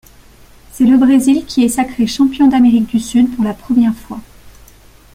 C'est le Brésil qui est sacré champion d'Amérique du Sud pour la première fois.